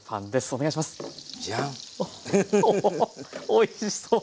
おおおいしそう！